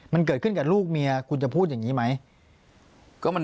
มันเกิดขึ้นกับลูกเมียคุณจะพูดอย่างนี้ไหม